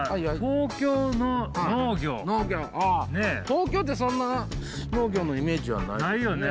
東京ってそんな農業のイメージはないですね。